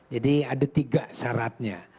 jadi ada tiga syaratnya